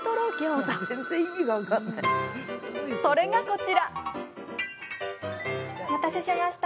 それが、こちら。